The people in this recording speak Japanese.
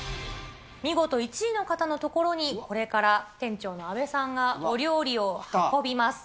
見事１位の方のところに、これから店長の阿部さんがお料理を運びます。